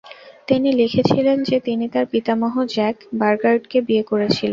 তিনি লিখেছিলেন যে তিনি তার পিতামহ জ্যাক বারগার্ডকে বিয়ে করেছিলেন।